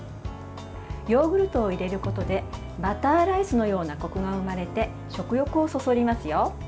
ヨーグルトを入れることでバターライスのようなこくが生まれて食欲をそそりますよ。